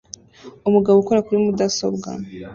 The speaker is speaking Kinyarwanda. Umugabo ukora kuri mudasobwa